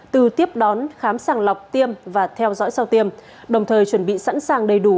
từ tiếp đón khám sàng lọc tiêm và theo dõi sau tiêm đồng thời chuẩn bị sẵn sàng đầy đủ